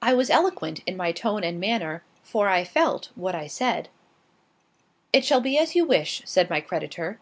I was eloquent in my tone and manner, for I felt what I said. "It shall be as you wish," said my creditor.